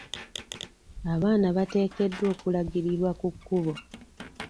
Abaana bateekeddwa okulagirirwa ku kkubo.